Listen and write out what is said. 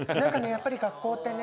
やっぱり学校ってね」